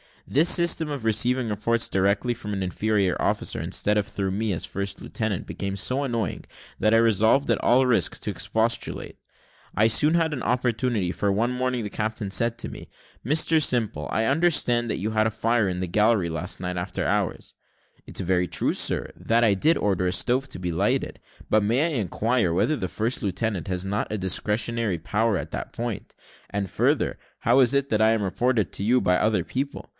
This system of receiving reports direct from an inferior officer, instead of through me, as first lieutenant, became so annoying, that I resolved, at all risk to expostulate. I soon had an opportunity, for one morning the captain said to me, "Mr Simple, I understand that you had a fire in the galley last night after hours." "It's very true, sir, that I did order a stove to be lighted; but may I inquire whether the first lieutenant has not a discretionary power in that point? and further, how is it that I am reported to you by other people?